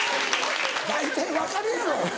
大体分かるやろ！